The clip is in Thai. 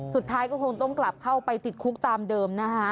สุดท้ายก็คงต้องกลับเข้าไปติดคุกตามเดิมนะคะ